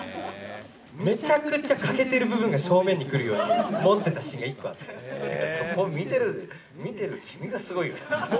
めちゃくちゃ欠けてる部分が正面に来るように持ってたシーンが１そこ見てる君がすごいよ。